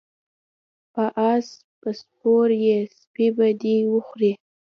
په اس به سپور یی سپی به دی وخوري